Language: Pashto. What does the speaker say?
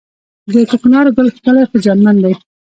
د کوکنارو ګل ښکلی خو زیانمن دی